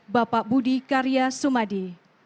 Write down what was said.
bapak budi karya sumadi